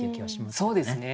そうですね。